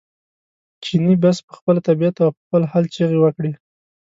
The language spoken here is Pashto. چیني بس په خپله طبعیت او په خپل حال چغې وکړې.